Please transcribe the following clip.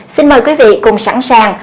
để cho quý vị cùng sẵn sàng